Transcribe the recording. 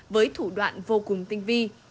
với thủ đoạn vô cùng tinh vi